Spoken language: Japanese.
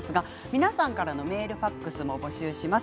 皆さんからのメールファックスも募集します。